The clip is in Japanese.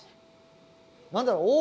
何だろう